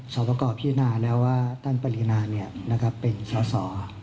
สอปกรณ์พิจารณาแล้วว่าต้านปริณาเป็นเศรษฐ์